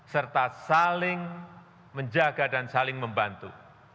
serta saling menjaga dan saling membantu